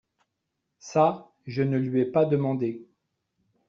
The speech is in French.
Ca, je ne le lui ai pas demandé.